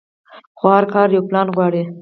خو هر کار يو پلان غواړي.